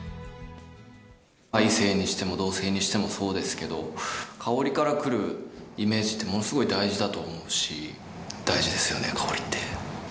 異性にしても同性にしてもそうですけど、香りからくるイメージってものすごい大事だと思うし、大事ですよね、香りって。